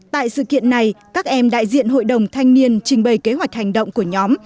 tại sự kiện này các em đại diện hội đồng thanh niên trình bày kế hoạch hành động của nhóm